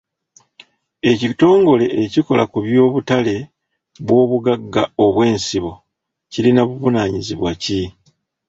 Ekitongole ekikola ku by'obutale bw'obugagga obw'ensibo kirina buvunaanyizibwa ki?